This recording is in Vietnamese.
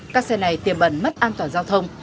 các xe này tiềm bẩn mất an toàn giao thông